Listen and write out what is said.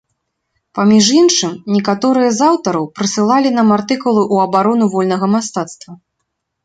Паміж іншым, некаторыя з аўтараў прысылалі нам артыкулы ў абарону вольнага мастацтва.